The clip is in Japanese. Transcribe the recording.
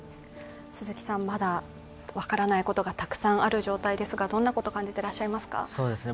まだ分からないことがたくさんある状態ですが、どんなこと感じてらっしゃいますか？